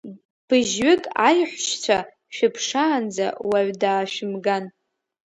Быжьҩык аиҳәшьцәа шәыԥшаанӡа уаҩ даашәымган.